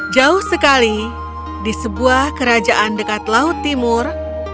jauh sekali di sebuah kerajaan dekat laut timur